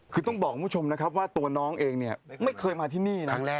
คือต้องบอกคุณผู้ชมนะครับว่าตัวน้องเองเนี่ยไม่เคยมาที่นี่นะ